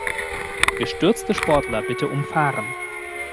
Gestürzte Sportler bitte umfahren.